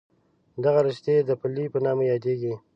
دغه رشتې د پلې په نامه یادېږي.